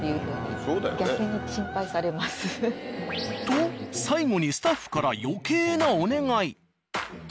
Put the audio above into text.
と最後にスタッフから余計なお願い。